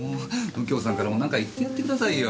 右京さんからもなんか言ってやってくださいよ。